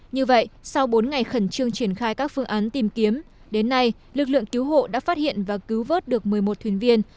như vậy sau bốn ngày khẩn trương triển khai các phương án tìm kiếm đến nay lực lượng cứu hộ đã phát hiện và cứu vớt được một mươi một thuyền viên